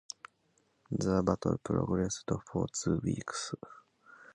The battle progressed for two weeks.